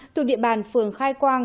từ địa bàn phường khai quang